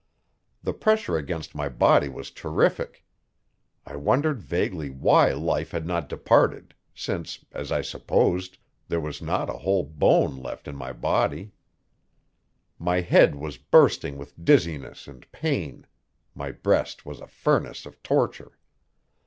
The pressure against my body was terrific; I wondered vaguely why life had not departed, since as I supposed there was not a whole bone left in my body. My head was bursting with dizziness and pain; my breast was a furnace of torture.